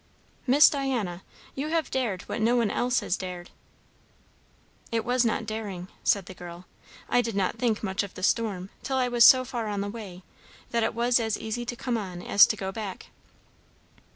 "Miss Diana, you have dared what no one else has dared." "It was not daring," said the girl. "I did not think much of the storm, till I was so far on the way that it was as easy to come on as to go back."